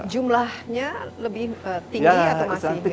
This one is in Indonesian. jumlahnya lebih tinggi atau masih mirip mirip